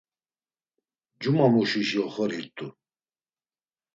Cumamuşişi oxorirt̆u.